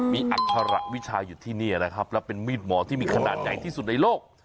มียระขับและเป็นมีดหมอที่มีขนาดใหญ่ที่สุดในโลก